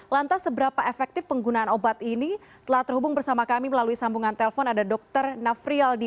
lantas seberapa efektif penggunaan obat ini telah terhubung bersama kami melalui sambungan telpon ada dr navriyaldi